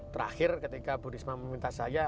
terakhir ketika bu risma meminta saya